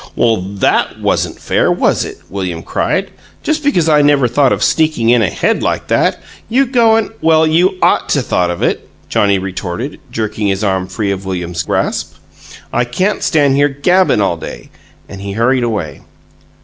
"Well, THAT wasn't fair, was it?" William cried. "Just because I never thought of sneaking in ahead like that, you go and " "Well, you ought to thought of it," Johnnie retorted, jerking his arm free of William's grasp. "I can't stand here GABBIN' all night!" And he hurried away.